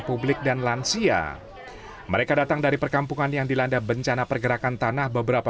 publik dan lansia mereka datang dari perkampungan yang dilanda bencana pergerakan tanah beberapa